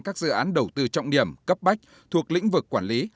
các dự án đầu tư trọng điểm cấp bách thuộc lĩnh vực quản lý